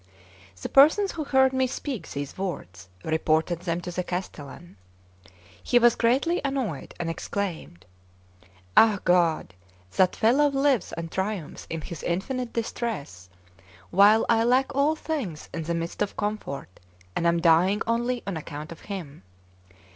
The persons who heard me speak these words reported them to the castellan. He was greatly annoyed, and exclaimed: "Ah, God! that fellow lives and triumphs in his infinite distress, while I lack all things in the midst of comfort, and am dying only on account of him!